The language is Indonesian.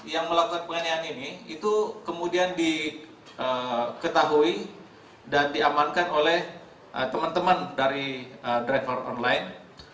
yang melakukan penganiayaan ini itu kemudian diketahui dan diamankan oleh teman teman dari driver online